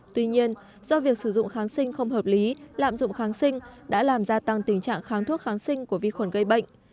tuy nhiên do việc sử dụng kháng sinh không hợp lý lạm dụng kháng sinh đã làm gia tăng tình trạng kháng thuốc kháng sinh của vi khuẩn gây bệnh